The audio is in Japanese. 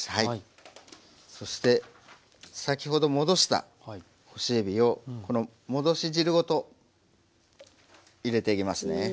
そして先ほど戻した干しえびをこの戻し汁ごと入れていきますね。